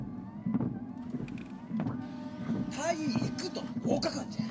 「たいいく」とこうかくんじゃ。